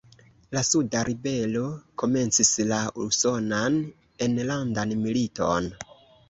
La suda ribelo komencis la Usonan Enlandan Militon.